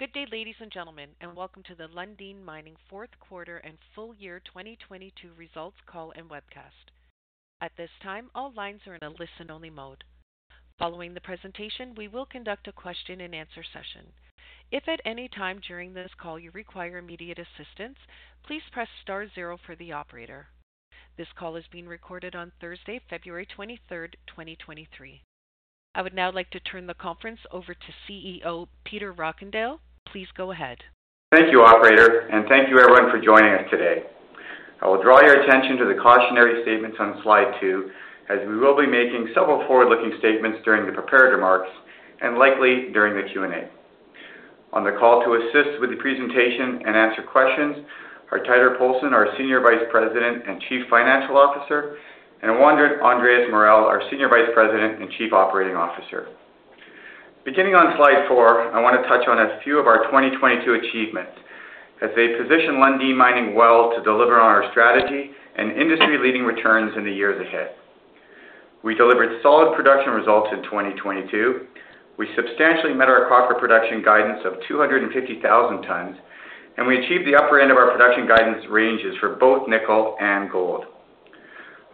Good day, ladies and gentlemen, welcome to the Lundin Mining fourth quarter and full year 2022 results call and webcast. At this time, all lines are in a listen-only mode. Following the presentation, we will conduct a question-and-answer session. If at any time during this call you require immediate assistance, please press star zero for the operator. This call is being recorded on Thursday, February 23rd, 2023. I would now like to turn the conference over to CEO, Peter Rockandel. Please go ahead. Thank you, operator. Thank you everyone for joining us today. I will draw your attention to the cautionary statements on slide 2, as we will be making several forward-looking statements during the prepared remarks and likely during the Q&A. On the call to assist with the presentation and answer questions are Teitur Poulsen, our Senior Vice President and Chief Financial Officer, and Juan Andrés Morel, our Senior Vice President and Chief Operating Officer. Beginning on slide 4, I want to touch on a few of our 2022 achievements as they position Lundin Mining well to deliver on our strategy and industry leading returns in the years ahead. We delivered solid production results in 2022. We substantially met our copper production guidance of 250,000 tons, and we achieved the upper end of our production guidance ranges for both nickel and gold.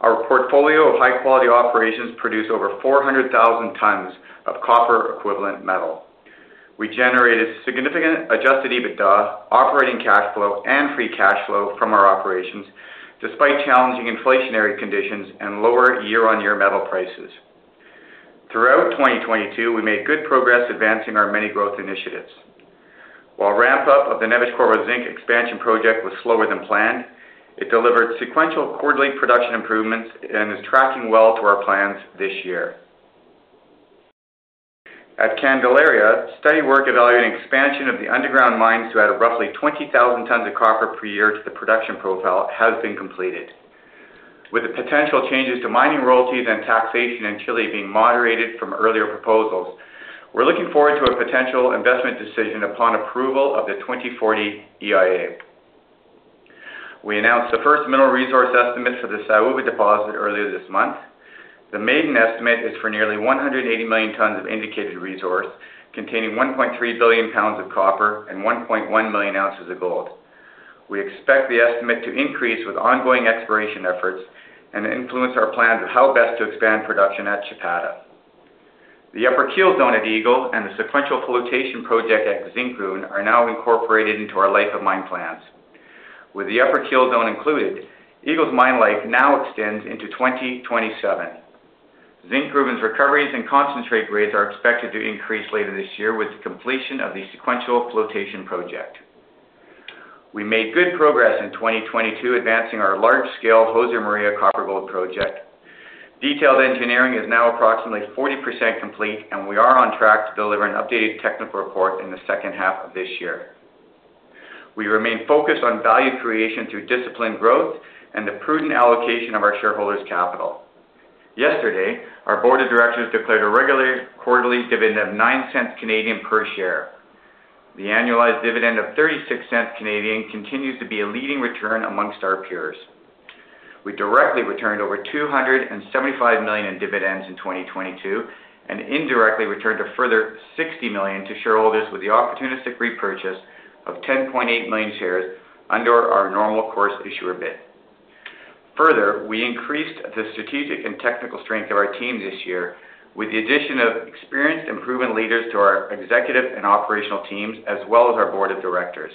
Our portfolio of high-quality operations produced over 400,000 tons of copper equivalent metal. We generated significant adjusted EBITDA, operating cash flow, and free cash flow from our operations, despite challenging inflationary conditions and lower year-on-year metal prices. Throughout 2022, we made good progress advancing our many growth initiatives. While ramp-up of the Neves-Corvo Zinc expansion project was slower than planned, it delivered sequential quarterly production improvements and is tracking well to our plans this year. At Candelaria, study work evaluating expansion of the underground mines to add roughly 20,000 tons of copper per year to the production profile has been completed. With the potential changes to mining royalties and taxation in Chile being moderated from earlier proposals, we're looking forward to a potential investment decision upon approval of the 2040 EIA. We announced the first mineral resource estimate for the Saúva deposit earlier this month. The maiden estimate is for nearly 180 million tons of indicated resource, containing 1.3 billion pounds of copper and 1.1 million ounces of gold. We expect the estimate to increase with ongoing exploration efforts and influence our plans of how best to expand production at Chapada. The Upper Keel zone at Eagle and the sequential flotation project at Zinkgruvan are now incorporated into our life of mine plans. With the Upper Keel zone included, Eagle's mine life now extends into 2027. Zinkgruvan's recoveries and concentrate grades are expected to increase later this year with the completion of the sequential flotation project. We made good progress in 2022 advancing our large-scale Josemaria copper gold project. Detailed engineering is now approximately 40% complete, and we are on track to deliver an updated technical report in the second half of this year. We remain focused on value creation through disciplined growth and the prudent allocation of our shareholders' capital. Yesterday, our board of directors declared a regular quarterly dividend of 0.09 per share. The annualized dividend of 0.36 continues to be a leading return amongst our peers. We directly returned over $275 million in dividends in 2022 and indirectly returned a further $60 million to shareholders with the opportunistic repurchase of 10.8 million shares under our normal course issuer bid. Further, we increased the strategic and technical strength of our team this year with the addition of experienced and proven leaders to our executive and operational teams, as well as our board of directors.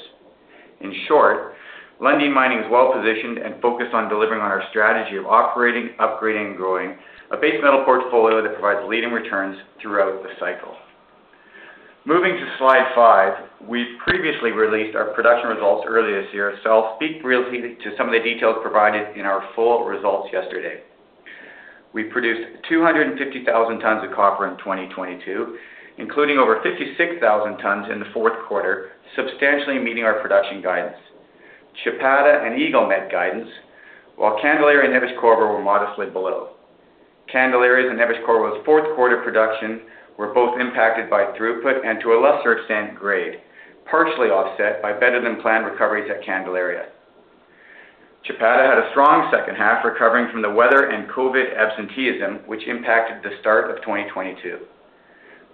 In short, Lundin Mining is well positioned and focused on delivering on our strategy of operating, upgrading, and growing a base metal portfolio that provides leading returns throughout the cycle. Moving to slide 5, I'll speak briefly to some of the details provided in our full results yesterday. We produced 250,000 tons of copper in 2022, including over 56,000 tons in the fourth quarter, substantially meeting our production guidance. Chapada and Eagle met guidance, while Candelaria and Neves-Corvo were modestly below. Candelaria's and Neves-Corvo's fourth quarter production were both impacted by throughput and, to a lesser extent, grade, partially offset by better than planned recoveries at Candelaria. Chapada had a strong second half, recovering from the weather and COVID absenteeism, which impacted the start of 2022.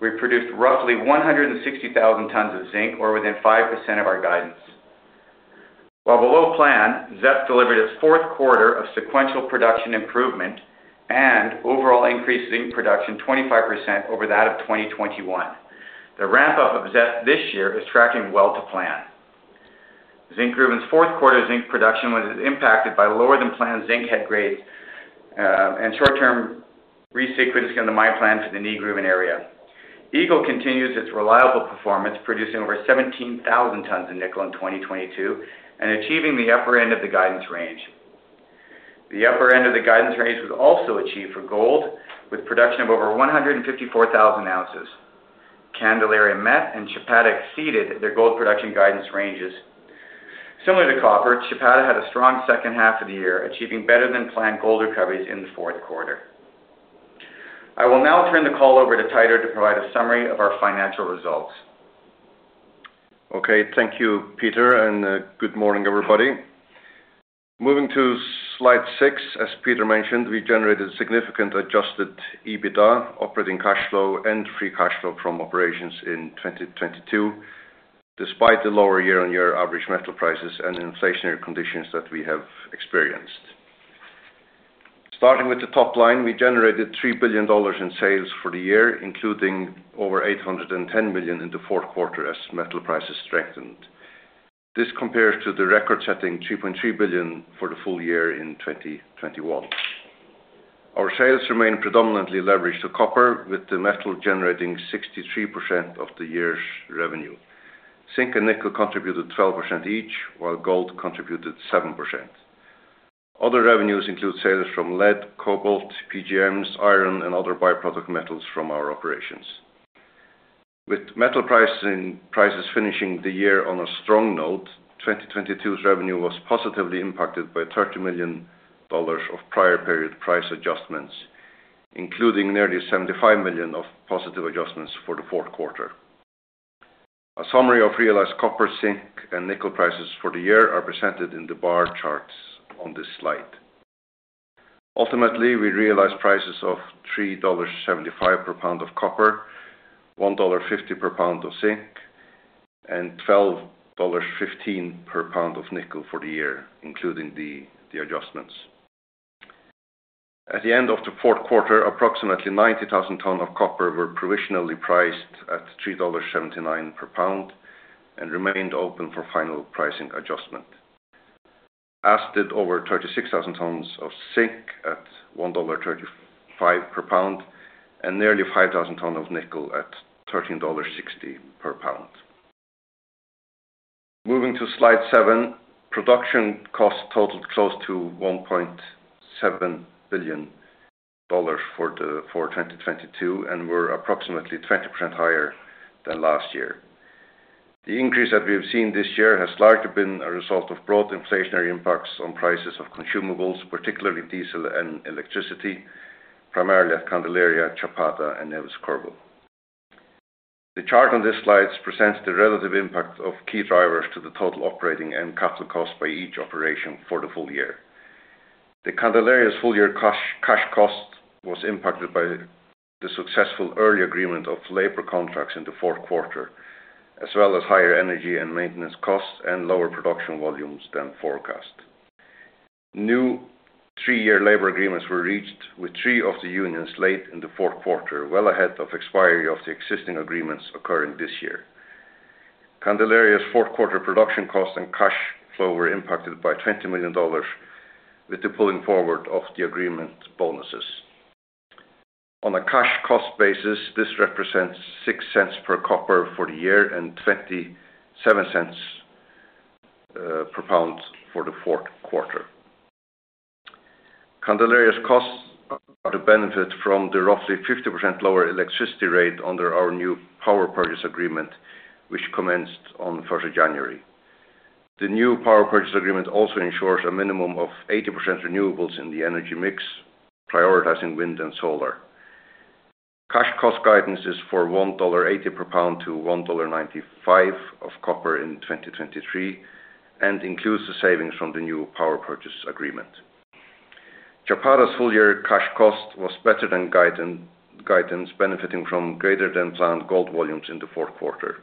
We produced roughly 160,000 tons of zinc or within 5% of our guidance. While below plan, ZEP delivered its 4th quarter of sequential production improvement and overall increased zinc production 25% over that of 2021. The ramp-up of ZEP this year is tracking well to plan. Zinkgruvan's 4th quarter zinc production was impacted by lower than planned zinc head grades and short-term re-sequencing of the mine plans in the Nygruvan area. Eagle continues its reliable performance, producing over 17,000 tons of nickel in 2022 and achieving the upper end of the guidance range. The upper end of the guidance range was also achieved for gold with production of over 154,000 ounces. Candelaria met and Chapada exceeded their gold production guidance ranges. Similar to copper, Chapada had a strong second half of the year, achieving better than planned gold recoveries in the fourth quarter. I will now turn the call over to Teitur to provide a summary of our financial results. Okay, thank you, Peter, and good morning, everybody. Moving to slide 6, as Peter mentioned, we generated significant adjusted EBITDA operating cash flow and free cash flow from operations in 2022, despite the lower year-on-year average metal prices and inflationary conditions that we have experienced. Starting with the top line, we generated $3 billion in sales for the year, including over $810 million in the fourth quarter as metal prices strengthened. This compares to the record-setting $3.3 billion for the full year in 2021. Our sales remain predominantly leveraged to copper, with the metal generating 63% of the year's revenue. Zinc and nickel contributed 12% each, while gold contributed 7%. Other revenues include sales from lead, cobalt, PGMs, iron, and other by-product metals from our operations. With metal prices finishing the year on a strong note, 2022's revenue was positively impacted by $30 million of prior period price adjustments, including nearly $75 million of positive adjustments for the fourth quarter. A summary of realized copper, zinc, and nickel prices for the year are presented in the bar charts on this slide. Ultimately, we realized prices of $3.75 per pound of copper, $1.50 per pound of zinc, and $12.15 per pound of nickel for the year, including the adjustments. At the end of the fourth quarter, approximately 90,000 ton of copper were provisionally priced at $3.79 per pound and remained open for final pricing adjustment, as did over 36,000 tons of zinc at $1.35 per pound and nearly 5,000 ton of nickel at $13.60 per pound. Moving to slide seven, production costs totaled close to $1.7 billion for 2022 and were approximately 20% higher than last year. The increase that we have seen this year has largely been a result of broad inflationary impacts on prices of consumables, particularly diesel and electricity, primarily at Candelaria, Chapada, and Neves-Corvo. The chart on this slide presents the relative impact of key drivers to the total operating and capital costs by each operation for the full year. Candelaria's full-year cash cost was impacted by the successful early agreement of labor contracts in the fourth quarter, as well as higher energy and maintenance costs and lower production volumes than forecast. New three-year labor agreements were reached with three of the unions late in the fourth quarter, well ahead of expiry of the existing agreements occurring this year. Candelaria's fourth quarter production costs and cash flow were impacted by $20 million with the pulling forward of the agreement bonuses. On a cash cost basis, this represents $0.06 per copper for the year and $0.27 per pound for the fourth quarter. Candelaria's costs are to benefit from the roughly 50% lower electricity rate under our new power purchase agreement, which commenced on first of January. The new power purchase agreement also ensures a minimum of 80% renewables in the energy mix, prioritizing wind and solar. Cash cost guidance is for $1.80 per pound to $1.95 of copper in 2023 and includes the savings from the new power purchase agreement. Chapada's full-year cash cost was better than guidance, benefiting from greater than planned gold volumes in the fourth quarter.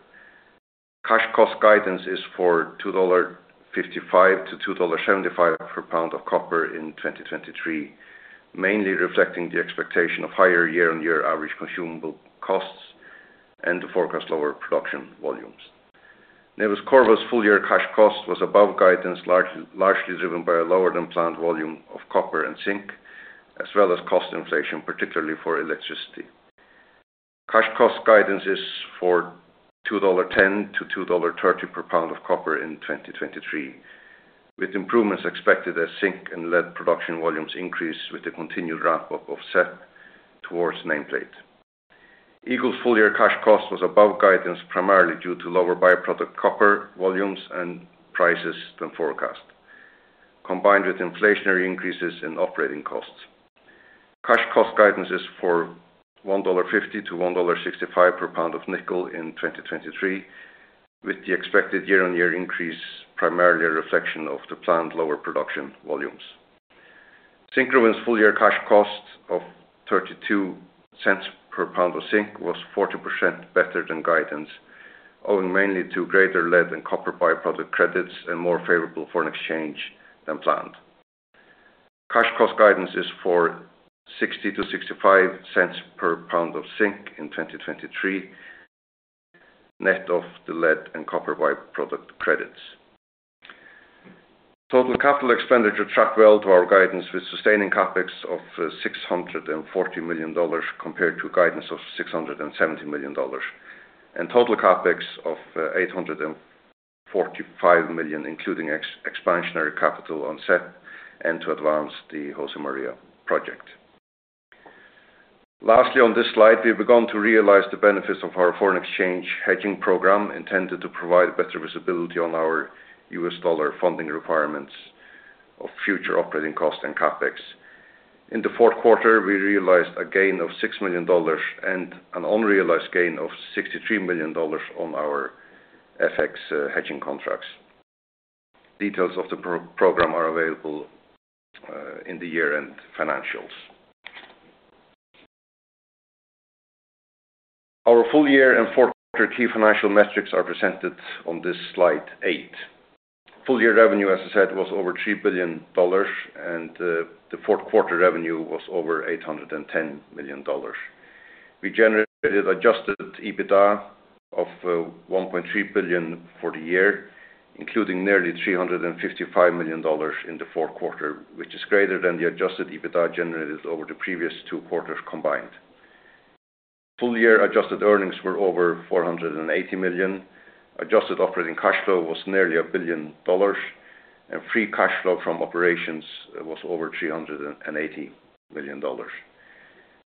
Cash cost guidance is for $2.55-$2.75 per pound of copper in 2023, mainly reflecting the expectation of higher year-on-year average consumable costs and the forecast lower production volumes. Neves-Corvo's full-year cash cost was above guidance, largely driven by a lower than planned volume of copper and zinc, as well as cost inflation, particularly for electricity. Cash cost guidance is for $2.10-$2.30 per pound of copper in 2023, with improvements expected as zinc and lead production volumes increase with the continued ramp-up of ZEP towards nameplate. Eagle's full-year cash cost was above guidance, primarily due to lower by-product copper volumes and prices than forecast, combined with inflationary increases in operating costs. Cash cost guidance is for $1.50-$1.65 per pound of nickel in 2023, with the expected year-on-year increase primarily a reflection of the planned lower production volumes. Zinkgruvan's full-year cash cost of $0.32 per pound of zinc was 40% better than guidance, owing mainly to greater lead and copper by-product credits and more favorable foreign exchange than planned. Cash cost guidance is for $0.60-$0.65 per pound of zinc in 2023, net of the lead and copper by-product credits. Total capital expenditure track well to our guidance with sustaining CapEx of $640 million compared to guidance of $670 million, and total CapEx of $845 million, including expansionary capital on ZEP and to advance the Josemaria project. Lastly on this slide, we've begun to realize the benefits of our foreign exchange hedging program intended to provide better visibility on our U.S. dollar funding requirements of future operating costs and CapEx. In the fourth quarter, we realized a gain of $6 million and an unrealized gain of $63 million on our FX hedging contracts. Details of the program are available in the year-end financials. Our full year and fourth quarter key financial metrics are presented on this slide 8. Full year revenue, as I said, was over $3 billion, the fourth quarter revenue was over $810 million. We generated adjusted EBITDA of $1.3 billion for the year, including nearly $355 million in the fourth quarter, which is greater than the adjusted EBITDA generated over the previous two quarters combined. Full year adjusted earnings were over $480 million. Adjusted operating cash flow was nearly $1 billion. Free cash flow from operations was over $380 million.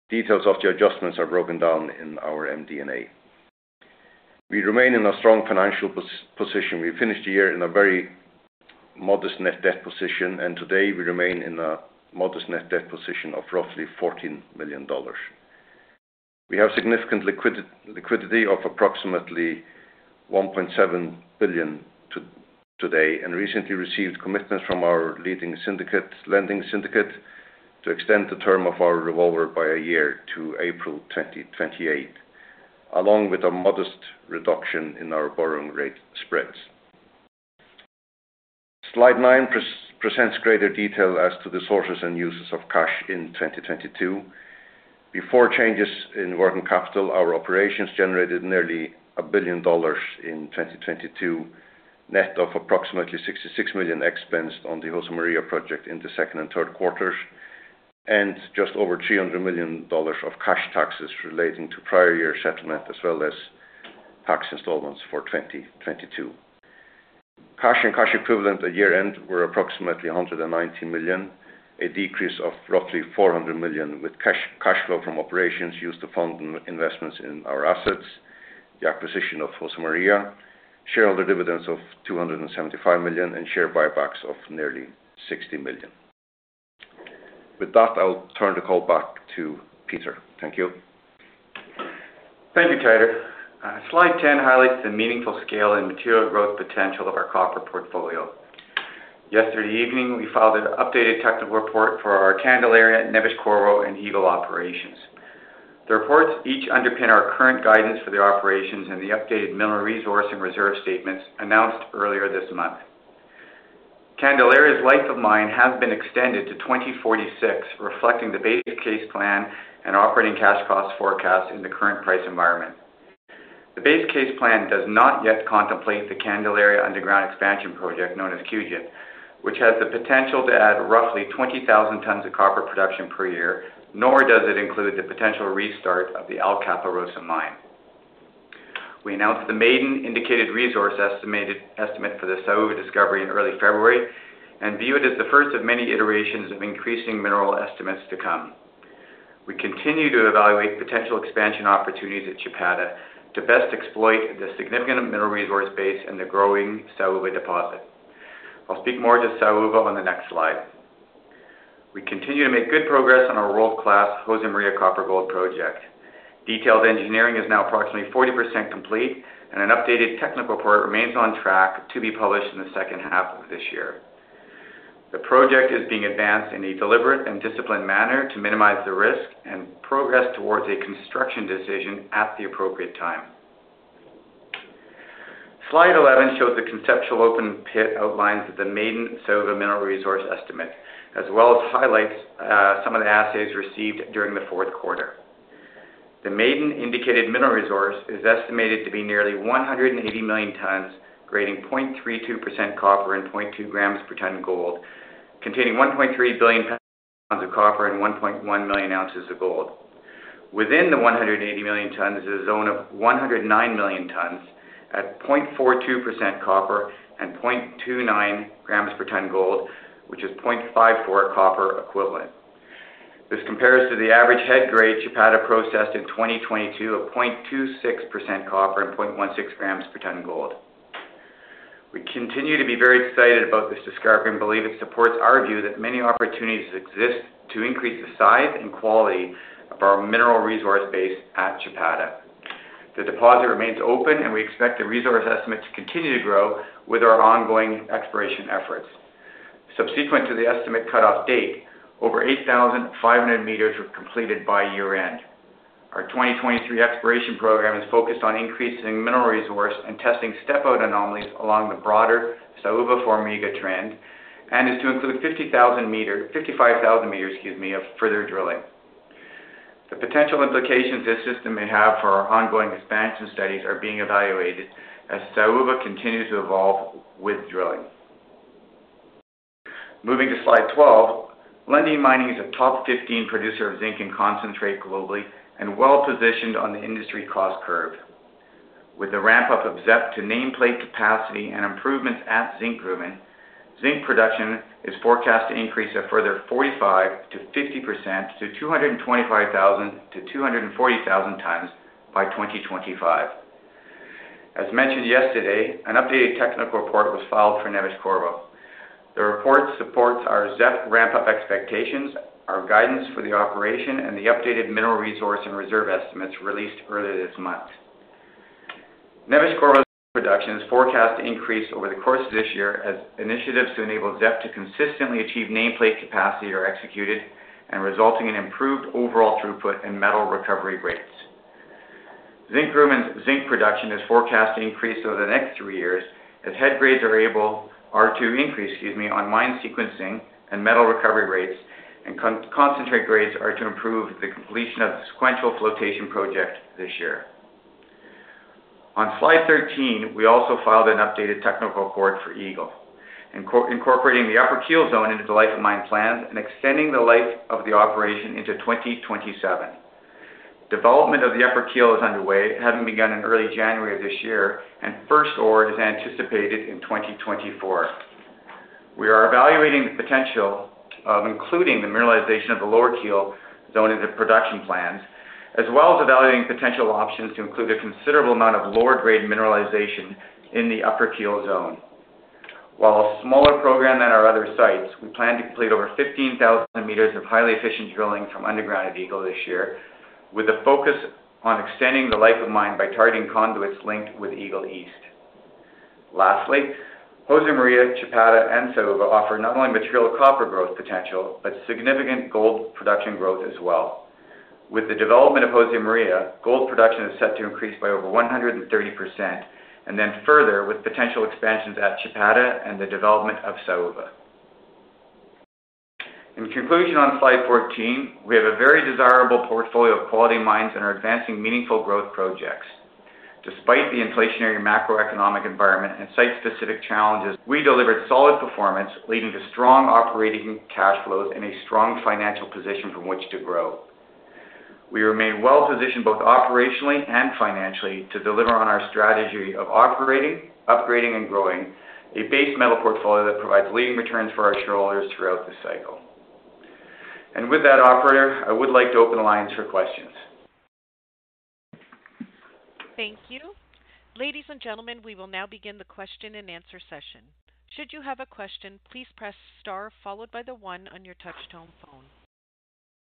Details of the adjustments are broken down in our MD&A. We remain in a strong financial position. We finished the year in a very modest net debt position. Today we remain in a modest net debt position of roughly $14 million. We have significant liquidity of approximately $1.7 billion today. Recently received commitments from our leading lending syndicate to extend the term of our revolver by 1 year to April 2028, along with a modest reduction in our borrowing rate spreads. Slide 9 presents greater detail as to the sources and uses of cash in 2022. Before changes in working capital, our operations generated nearly $1 billion in 2022, net of approximately $66 million expense on the Josemaria project in the second and third quarters, and just over $300 million of cash taxes relating to prior year settlement, as well as tax installments for 2022. Cash and cash equivalent at year-end were approximately $190 million, a decrease of roughly $400 million, with cash flow from operations used to fund investments in our assets, the acquisition of Josemaria, shareholder dividends of $275 million, and share buybacks of nearly $60 million. With that, I'll turn the call back to Peter. Thank you. Thank you, Teitur. Slide 10 highlights the meaningful scale and material growth potential of our copper portfolio. Yesterday evening, we filed an updated technical report for our Candelaria, Neves-Corvo, and Eagle operations. The reports each underpin our current guidance for the operations and the updated mineral resource and reserve statements announced earlier this month. Candelaria's life of mine has been extended to 2046, reflecting the base case plan and operating cash cost forecast in the current price environment. The base case plan does not yet contemplate the Candelaria underground expansion project known as CUGEP, which has the potential to add roughly 20,000 tons of copper production per year, nor does it include the potential restart of the Alcaparrosa mine. We announced the maiden indicated resource estimate for the Saúva discovery in early February and view it as the first of many iterations of increasing mineral estimates to come. We continue to evaluate potential expansion opportunities at Chapada to best exploit the significant mineral resource base and the growing Saúva deposit. I'll speak more to Saúva on the next slide. We continue to make good progress on our world-class Josemaria copper-gold project. Detailed engineering is now approximately 40% complete, and an updated technical report remains on track to be published in the second half of this year. The project is being advanced in a deliberate and disciplined manner to minimize the risk and progress towards a construction decision at the appropriate time. Slide 11 shows the conceptual open pit outlines of the maiden Saúva mineral resource estimate, as well as highlights, some of the assays received during the fourth quarter. The maiden indicated mineral resource is estimated to be nearly 180 million tons, grading 0.32% copper and 0.2 grams per ton gold, containing 1.3 billion pounds of copper and 1.1 million ounces of gold. Within the 180 million tons is a zone of 109 million tons at 0.42% copper and 0.29 grams per ton gold, which is 0.54 copper equivalent. This compares to the average head grade Chapada processed in 2022 of 0.26% copper and 0.16 grams per ton gold. We continue to be very excited about this discovery and believe it supports our view that many opportunities exist to increase the size and quality of our mineral resource base at Chapada. The deposit remains open, we expect the resource estimate to continue to grow with our ongoing exploration efforts. Subsequent to the estimate cut-off date, over 8,500 meters were completed by year-end. Our 2023 exploration program is focused on increasing mineral resource and testing step-out anomalies along the broader Sauva-Formiga trend and is to include 55,000 meters of further drilling. The potential implications this system may have for our ongoing expansion studies are being evaluated as Saúva continues to evolve with drilling. Moving to slide 12, Lundin Mining is a top 15 producer of zinc and concentrate globally and well-positioned on the industry cost curve. With the ramp-up of ZEP to nameplate capacity and improvements at Zinkgruvan, zinc production is forecast to increase a further 45%-50% to 225,000-240,000 times by 2025. As mentioned yesterday, an updated technical report was filed for Neves-Corvo. The report supports our ZEP ramp-up expectations, our guidance for the operation and the updated mineral resource and reserve estimates released earlier this month. Neves-Corvo's production is forecast to increase over the course of this year as initiatives to enable ZEP to consistently achieve nameplate capacity are executed and resulting in improved overall throughput and metal recovery rates. Zinkgruvan and zinc production is forecast to increase over the next 3 years as head grades are to increase, excuse me, on mine sequencing and metal recovery rates and concentrate grades are to improve the completion of the sequential flotation project this year. On slide 13, we also filed an updated technical report for Eagle, incorporating the upper keel zone into the life of mine plans and extending the life of the operation into 2027. Development of the upper keel is underway, having begun in early January of this year, and first ore is anticipated in 2024. We are evaluating the potential of including the mineralization of the lower keel zone into production plans, as well as evaluating potential options to include a considerable amount of lower grade mineralization in the upper keel zone. While a smaller program than our other sites, we plan to complete over 15,000 meters of highly efficient drilling from underground at Eagle this year, with a focus on extending the life of mine by targeting conduits linked with Eagle East. Josemaria, Chapada and Saúva offer not only material copper growth potential, but significant gold production growth as well. With the development of Josemaria, gold production is set to increase by over 130% further with potential expansions at Chapada and the development of Saúva. On slide 14, we have a very desirable portfolio of quality mines and are advancing meaningful growth projects. Despite the inflationary macroeconomic environment and site-specific challenges, we delivered solid performance, leading to strong operating cash flows and a strong financial position from which to grow. We remain well-positioned, both operationally and financially, to deliver on our strategy of operating, upgrading, and growing a base metal portfolio that provides leading returns for our shareholders throughout this cycle. With that, operator, I would like to open the lines for questions. Thank you. Ladies and gentlemen, we will now begin the question-and-answer session. Should you have a question, please press star followed by the 1 on your touch-tone phone.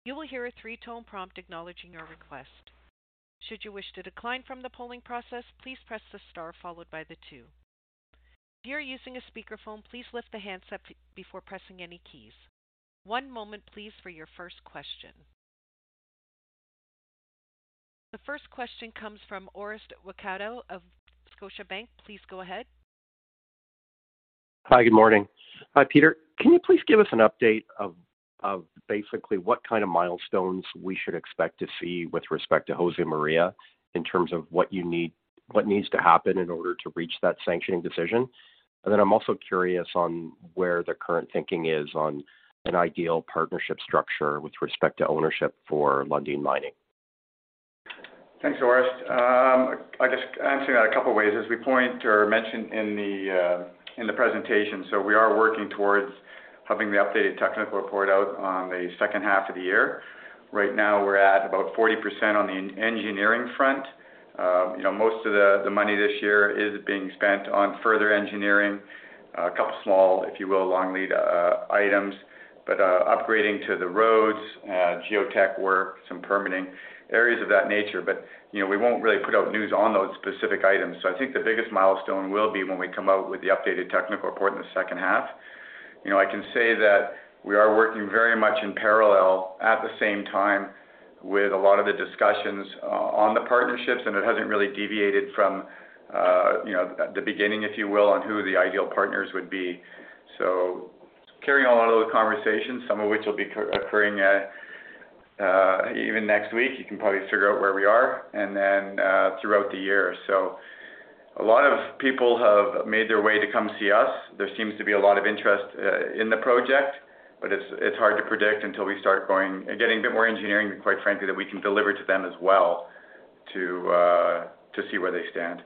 You will hear a three-tone prompt acknowledging your request. Should you wish to decline from the polling process, please press the star followed by the 2. If you're using a speakerphone, please lift the handset before pressing any keys. One moment please for your first question. The first question comes from Orest Wowkodaw of Scotiabank. Please go ahead. Hi, good morning. Hi, Peter. Can you please give us an update of basically what kind of milestones we should expect to see with respect to Josemaria in terms of what needs to happen in order to reach that sanctioning decision? Then I'm also curious on where the current thinking is on an ideal partnership structure with respect to ownership for Lundin Mining. Thanks, Orest. I guess answering that a couple of ways as we point or mentioned in the presentation. We are working towards having the updated technical report out on the second half of the year. Right now, we're at about 40% on the engineering front. You know, most of the money this year is being spent on further engineering, a couple of small, if you will, long-lead items, but upgrading to the roads, geotech work, some permitting, areas of that nature. You know, we won't really put out news on those specific items. I think the biggest milestone will be when we come out with the updated technical report in the second half. You know, I can say that we are working very much in parallel at the same time with a lot of the discussions on the partnerships, and it hasn't really deviated from, you know, at the beginning, if you will, on who the ideal partners would be. Carrying on a lot of those conversations, some of which will be occurring even next week, you can probably figure out where we are and then throughout the year. A lot of people have made their way to come see us. There seems to be a lot of interest in the project, but it's hard to predict until we start going and getting a bit more engineering, quite frankly, that we can deliver to them as well to see where they stand.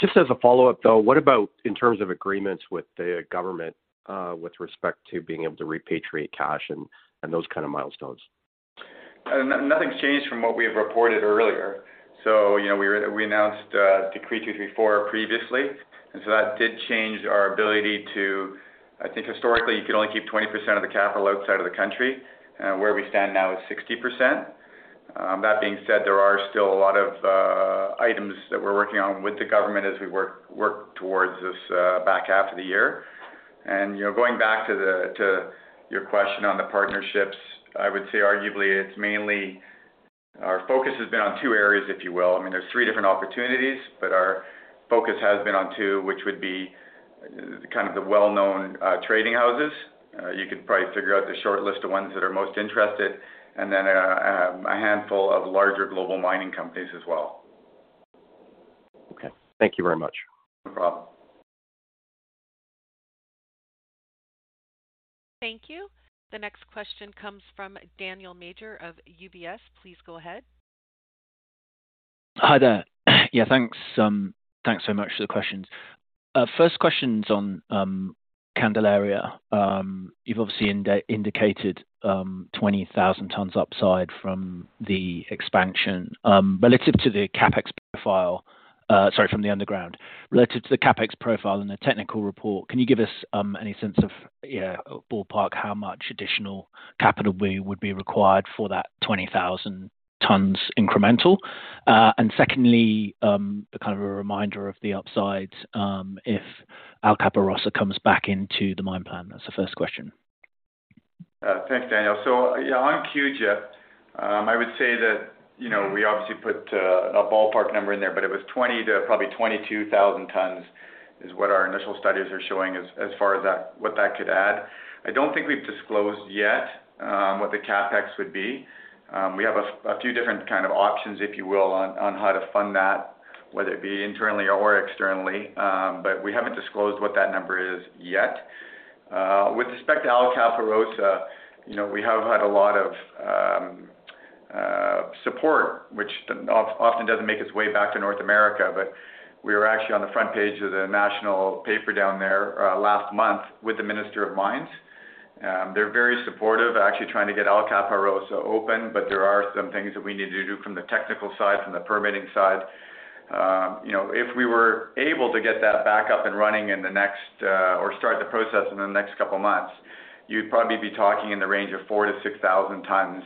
Just as a follow-up, though, what about in terms of agreements with the government, with respect to being able to repatriate cash and those kind of milestones? Nothing's changed from what we have reported earlier. You know, we announced Decree 234 previously, and so that did change our ability to... I think historically, you could only keep 20% of the capital outside of the country. Where we stand now is 60%. That being said, there are still a lot of items that we're working on with the government as we work towards this back half of the year. You know, going back to your question on the partnerships, I would say arguably it's mainly our focus has been on 2 areas, if you will. I mean, there's 3 different opportunities, but our focus has been on 2, which would be kind of the well-known trading houses. You could probably figure out the short list of ones that are most interested and then a handful of larger global mining companies as well. Okay. Thank you very much. No problem. Thank you. The next question comes from Daniel Major of UBS. Please go ahead. Hi there. Yeah, thanks. Thanks so much for the questions. First question's on Candelaria. You've obviously indicated 20,000 tons upside from the expansion relative to the CapEx profile. Sorry, from the underground. Related to the CapEx profile in the technical report, can you give us any sense of, you know, ballpark, how much additional capital would be required for that 20,000 tons incremental? Secondly, a kind of a reminder of the upsides if Alcaparrosa comes back into the mine plan. That's the first question. Thanks, Daniel. Yeah, on Josemaria, I would say that, you know, we obviously put a ballpark number in there, but it was 20 to probably 22,000 tons is what our initial studies are showing as far as that, what that could add. I don't think we've disclosed yet what the CapEx would be. We have a few different kind of options, if you will, on how to fund that, whether it be internally or externally. We haven't disclosed what that number is yet. With respect to Alcaparrosa, you know, we have had a lot of support, which often doesn't make its way back to North America. We were actually on the front page of the national paper down there last month with the Minister of Mining. They're very supportive, actually trying to get Alcaparrosa open, but there are some things that we need to do from the technical side, from the permitting side. You know, if we were able to get that back up and running or start the process in the next couple of months, you'd probably be talking in the range of 4,000-6,000 tons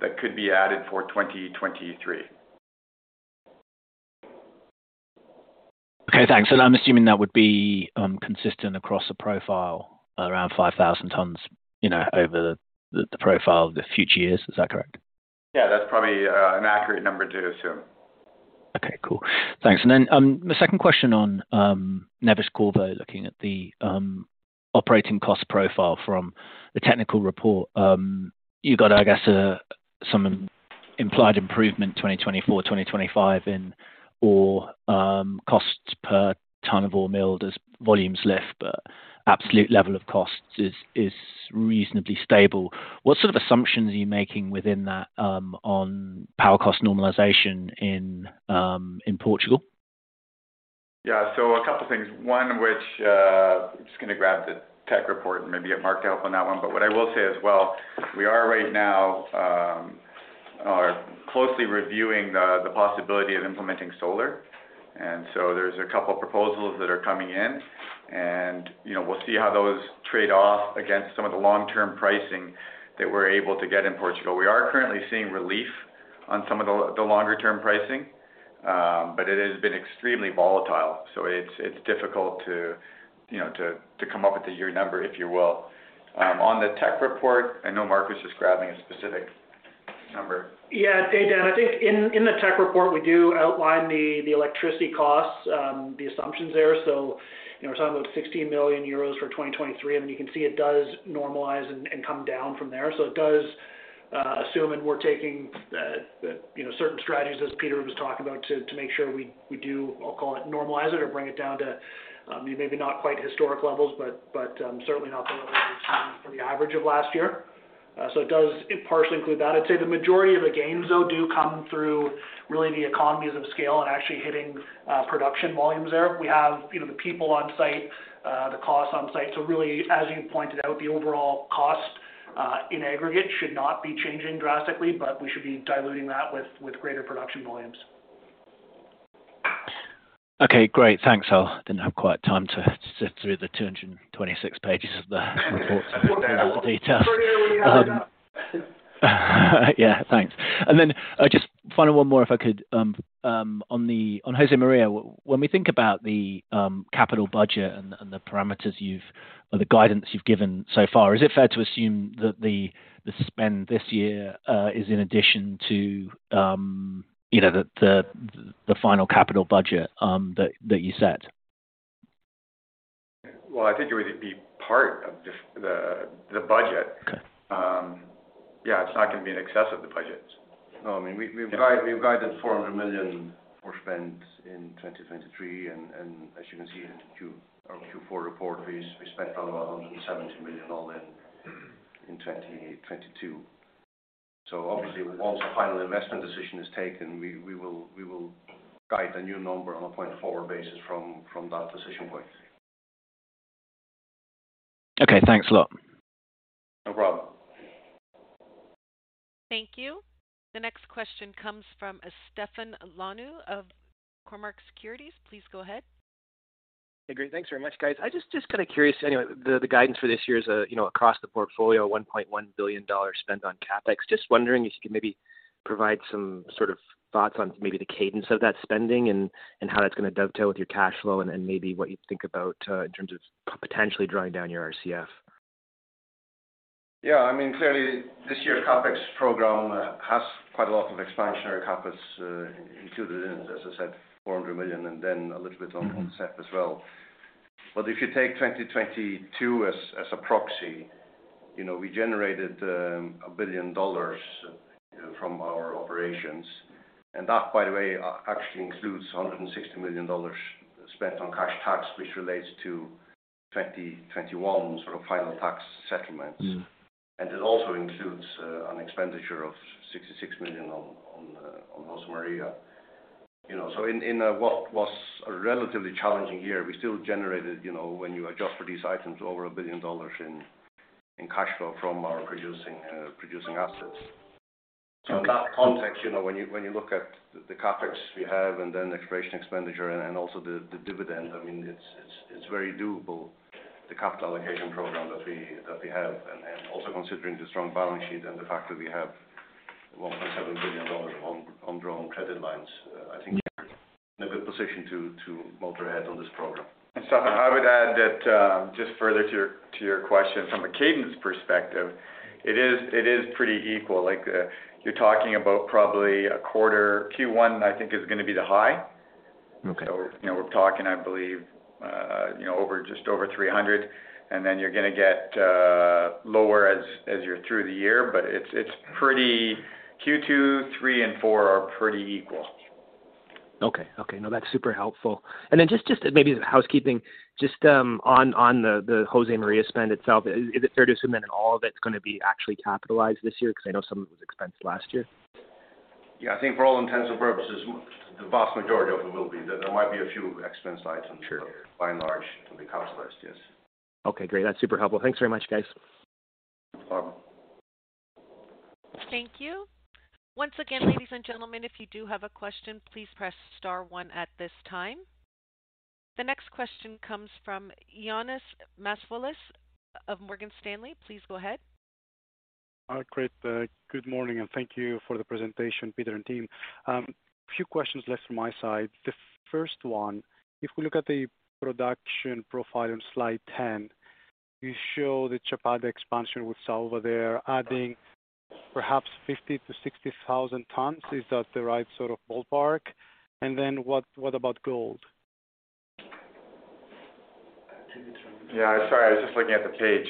that could be added for 2023. Okay, thanks. I'm assuming that would be consistent across the profile around 5,000 tons, you know, over the profile of the future years. Is that correct? Yeah, that's probably an accurate number to assume. Okay, cool. Thanks. The second question on Neves-Corvo, looking at the operating cost profile from the technical report. You got, I guess, some implied improvement, 2024, 2025 in ore, costs per ton of ore milled as volumes lift, but absolute level of costs is reasonably stable. What sort of assumptions are you making within that, on power cost normalization in Portugal? A couple of things. One, which, I'm just gonna grab the tech report and maybe get Mark to help on that one. What I will say as well, we are right now, are closely reviewing the possibility of implementing solar. There's a couple of proposals that are coming in, and, you know, we'll see how those trade off against some of the long-term pricing that we're able to get in Portugal. We are currently seeing relief on some of the longer-term pricing, but it has been extremely volatile, so it's difficult to, you know, to come up with a year number, if you will. On the tech report, I know Mark was just grabbing a specific number. Yeah. Hey, Dan, I think in the tech report, we do outline the electricity costs, the assumptions there. You know, we're talking about 16 million euros for 2023, and you can see it does normalize and come down from there. It does assume, and we're taking, you know, certain strategies, as Peter was talking about, to make sure we do, I'll call it normalize it or bring it down to maybe not quite historic levels, but certainly not the levels from the average of last year. It does partially include that. I'd say the majority of the gains, though, do come through really the economies of scale and actually hitting production volumes there. We have, you know, the people on site, the costs on site. really, as you pointed out, the overall cost, in aggregate should not be changing drastically, but we should be diluting that with greater production volumes. Okay, great. Thanks. I didn't have quite time to sit through the 226 pages of the report to look at all the details. We're here when you have it. Yeah. Thanks. Then just final one more, if I could, on Josemaria. When we think about the capital budget and the parameters you've or the guidance you've given so far, is it fair to assume that the spend this year is in addition to, you know, the final capital budget that you set? Well, I think it would be part of the budget. Okay. Yeah, it's not gonna be in excess of the budget. No, I mean, we've guided $400 million for spend in 2023. As you can see in our Q4 report, we spent around $170 million all in 2022. Obviously, once the final investment decision is taken, we will guide a new number on a point-forward basis from that decision point. Okay, thanks a lot. No problem. Thank you. The next question comes from Stefan Ioannou of Cormark Securities. Please go ahead. Great. Thanks very much, guys. I just kinda curious anyway, the guidance for this year is, you know, across the portfolio, $1.1 billion spent on CapEx. Just wondering if you could maybe provide some sort of thoughts on maybe the cadence of that spending and how that's gonna dovetail with your cash flow and maybe what you think about in terms of potentially drawing down your RCF? Yeah, I mean, clearly this year's CapEx program has quite a lot of expansionary CapEx included in it, as I said, $400 million and then a little bit on ZEP as well. If you take 2022 as a proxy, you know, we generated $1 billion, you know, from our operations. That, by the way, actually includes $160 million spent on cash tax, which relates to 2021 sort of final tax settlements. Mm-hmm. It also includes an expenditure of $66 million on Josemaria. You know, so in what was a relatively challenging year, we still generated, you know, when you adjust for these items, over $1 billion in cash flow from our producing assets. In that context, you know, when you look at the CapEx we have and then exploration expenditure and then also the dividend, I mean, it's very doable, the capital allocation program that we have. Also considering the strong balance sheet and the fact that we have $1.7 billion of undrawn credit lines, I think we're in a good position to motor ahead on this program. I would add that, just further to your question, from a cadence perspective, it is pretty equal. Like, you're talking about probably a quarter. Q1, I think is gonna be the high. Okay. You know, we're talking, I believe, you know, over just over 300, and then you're gonna get, lower as you're through the year. It's pretty Q2, three and four are pretty equal. Okay. Okay. No, that's super helpful. Just maybe housekeeping, just on the Josemaria spend itself, is it fair to assume then all of it's gonna be actually capitalized this year? I know some of it was expensed last year. Yeah. I think for all intents and purposes, the vast majority of it will be. There might be a few expense items. Sure. By and large, it'll be capitalized, yes. Okay, great. That's super helpful. Thanks very much, guys. No problem. Thank you. Once again, ladies and gentlemen, if you do have a question, please press star 1 at this time. The next question comes from Ioannis Masvoulas of Morgan Stanley. Please go ahead. Great. Good morning, and thank you for the presentation, Peter and team. A few questions left from my side. The first one, if we look at the production profile on slide 10, you show the Chapada expansion with Saúva there adding perhaps 50,000-60,000 tons. Is that the right sort of ballpark? What, what about gold? Sorry, I was just looking at the page.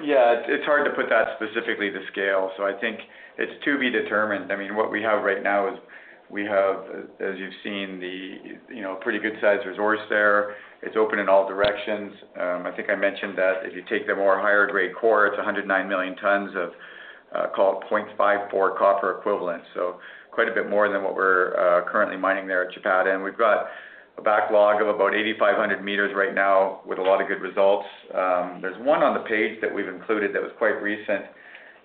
It's hard to put that specifically to scale, so I think it's to be determined. I mean, what we have right now is we have, as you've seen, the, you know, pretty good sized resource there. It's open in all directions. I think I mentioned that if you take the more higher grade core, it's 109 million tons of, call it 0.54 copper equivalent. Quite a bit more than what we're currently mining there at Chapada. We've got a backlog of about 8,500 meters right now with a lot of good results. There's one on the page that we've included that was quite recent.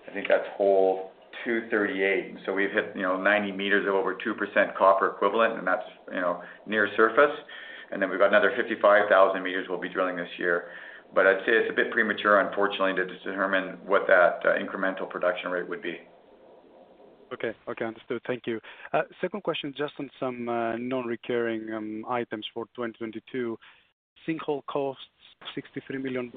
I think that's hole 238. We've hit, you know, 90 meters of over 2% copper equivalent, and that's, you know, near surface. We've got another 55,000 meters we'll be drilling this year. I'd say it's a bit premature, unfortunately, to determine what that incremental production rate would be. Okay. Okay, understood. Thank you. Second question, just on some non-recurring items for 2022. Sinkhole costs $63 million.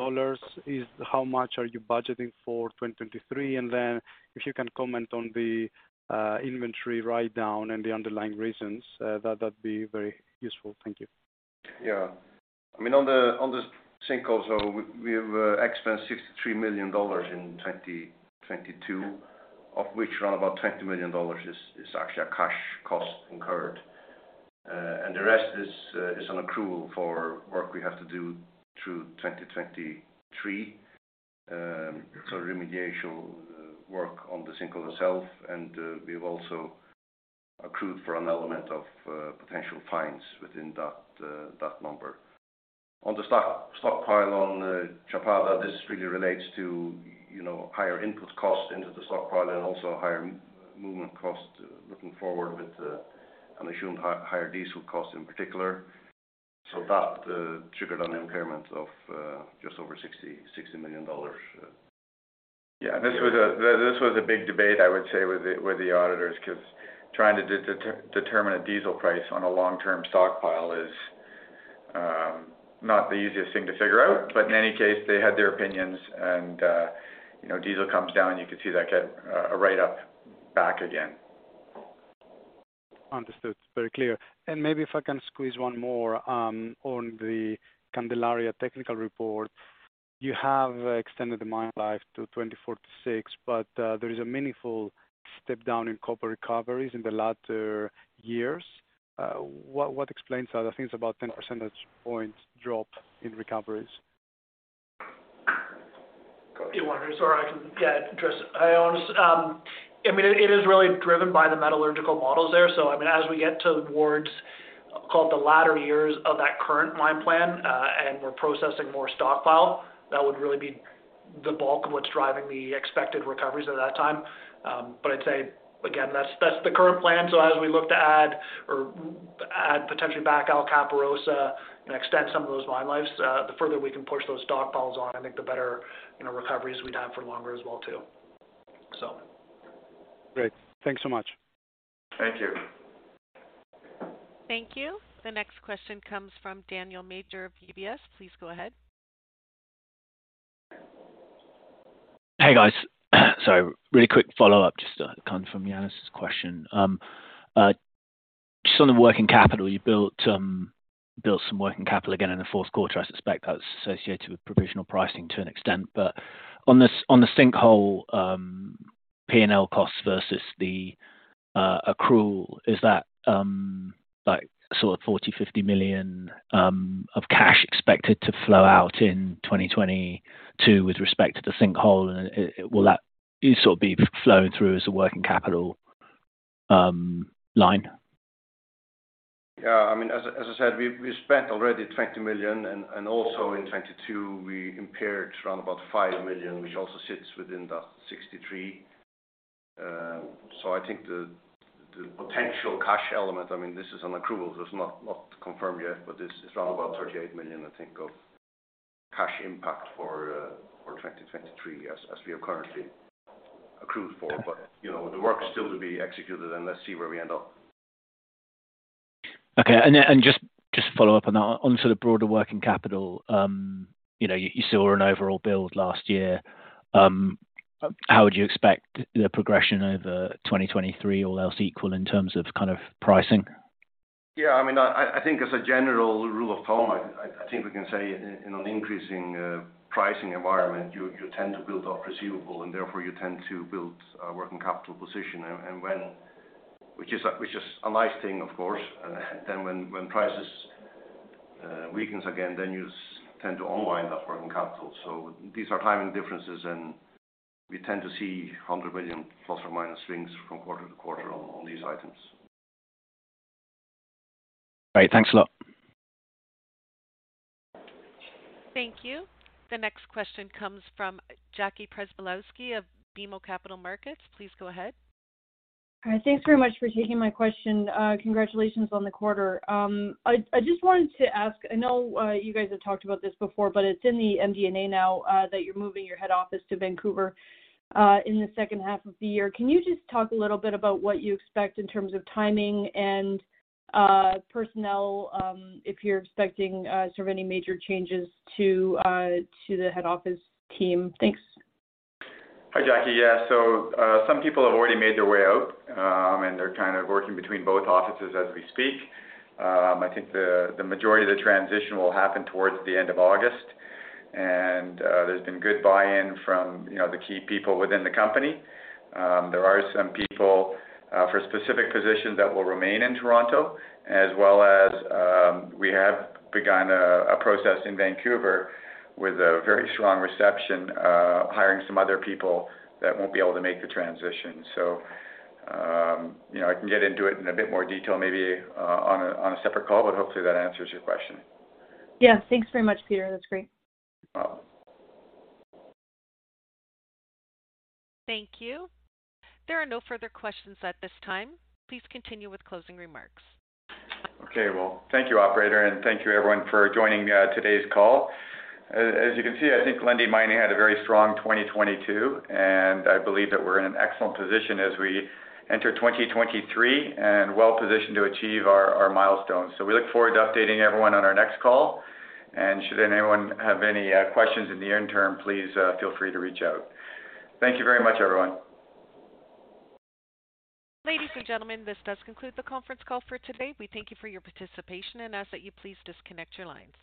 Is how much are you budgeting for 2023? Then if you can comment on the inventory write down and the underlying reasons, that'd be very useful. Thank you. Yeah. I mean, on the sinkhole, we have expensed $63 million in 2022, of which around about $20 million is actually a cash cost incurred. The rest is an accrual for work we have to do through 2023, so remediation work on the sinkhole itself. We've also accrued for an element of potential fines within that number. On the stockpile on Chapada, this really relates to, you know, higher input costs into the stockpile and also higher movement cost looking forward with an assumed higher diesel cost in particular. That triggered an impairment of just over $60 million. Yeah. This was a big debate, I would say, with the auditors, 'cause trying to determine a diesel price on a long-term stockpile is not the easiest thing to figure out. In any case, they had their opinions and, you know, diesel comes down, you can see that get a write-up back again. Understood. It's very clear. Maybe if I can squeeze one more on the Candelaria technical report. You have extended the mine life to 2024-2026, there is a meaningful step down in copper recoveries in the latter years. What explains that? I think it's about 10 percentage points drop in recoveries. Go ahead. Sorry, Ioannis, I mean, it is really driven by the metallurgical models there. I mean, as we get towards, call it, the latter years of that current mine plan, and we're processing more stockpile, that would really be the bulk of what's driving the expected recoveries at that time. I'd say again, that's the current plan. As we look to add potentially back Alcaparrosa and extend some of those mine lives, the further we can push those stockpiles on, I think the better, you know, recoveries we'd have for longer as well too. Great. Thanks so much. Thank you. Thank you. The next question comes from Daniel Major of UBS. Please go ahead. Hey, guys. Really quick follow-up, just coming from Ioannis' question. Just on the working capital, you built some working capital again in the fourth quarter. I suspect that's associated with provisional pricing to an extent. On this, on the sinkhole, P&L costs versus the accrual. Is that like sort of $40 million, $50 million of cash expected to flow out in 2022 with respect to the sinkhole? Will that be sort of be flowing through as a working capital line? Yeah. I mean, as I said, we spent already $20 million and also in 2022 we impaired around about $5 million, which also sits within that $63 million. I think the potential cash element, I mean, this is an accrual, so it's not confirmed yet, but this is around about $38 million, I think, of cash impact for 2023 as we have currently accrued for. You know, the work is still to be executed, and let's see where we end up. Okay. Just to follow up on that, on sort of broader working capital, you know, you saw an overall build last year. How would you expect the progression over 2023 all else equal in terms of kind of pricing? Yeah. I mean, I think as a general rule of thumb, I think we can say in an increasing pricing environment, you tend to build off receivable and therefore you tend to build a working capital position, which is a nice thing, of course. When prices weakens again, then you tend to unwind that working capital. These are timing differences, and we tend to see $100 million ± swings from quarter to quarter on these items. Great. Thanks a lot. Thank you. The next question comes from Jackie Przybylowski of BMO Capital Markets. Please go ahead. All right. Thanks very much for taking my question. Congratulations on the quarter. I just wanted to ask, I know, you guys have talked about this before, but it's in the MD&A now, that you're moving your head office to Vancouver in the second half of the year. Can you just talk a little bit about what you expect in terms of timing and personnel, if you're expecting sort of any major changes to the head office team? Thanks. Hi, Jackie. Yeah. Some people have already made their way out, and they're kind of working between both offices as we speak. I think the majority of the transition will happen towards the end of August. There's been good buy-in from, you know, the key people within the company. There are some people for specific positions that will remain in Toronto, as well as we have begun a process in Vancouver with a very strong reception, hiring some other people that won't be able to make the transition. You know, I can get into it in a bit more detail maybe on a separate call, but hopefully that answers your question. Yeah. Thanks very much, Peter. That's great. No problem. Thank you. There are no further questions at this time. Please continue with closing remarks. Okay. Well, thank you, operator, and thank you everyone for joining today's call. As you can see, I think Lundin Mining had a very strong 2022, and I believe that we're in an excellent position as we enter 2023 and well positioned to achieve our milestones. We look forward to updating everyone on our next call. Should anyone have any questions in the interim, please feel free to reach out. Thank you very much, everyone. Ladies and gentlemen, this does conclude the conference call for today. We thank you for your participation and ask that you please disconnect your lines.